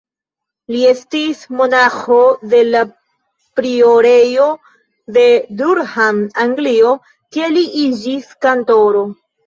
Li estis monaĥo de la priorejo de Durham, Anglio, kie li iĝis kantoro.